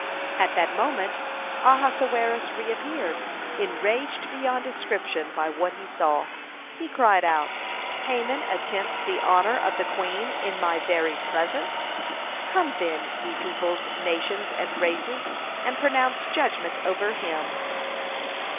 At that moment Ahasuerus reappeared. Enraged beyond description by what he saw, he cried out: "Haman attempts the honor of the queen in my very presence! Come, then, ye peoples, nations, and races, and pronounce judgment over him!"